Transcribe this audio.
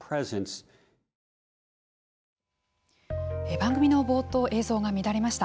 番組の冒頭映像が乱れました。